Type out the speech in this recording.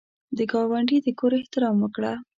د ګاونډي د کور احترام وکړه